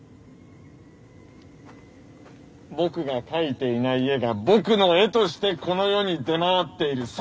僕が描いていない「絵」が僕の「絵」としてこの世に出回っているッ！